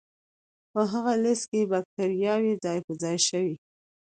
په هغه لست کې بکتریاوې ځای په ځای شوې.